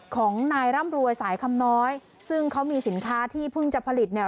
ของนายร่ำรวยสายคำน้อยซึ่งเขามีสินค้าที่เพิ่งจะผลิตเนี่ย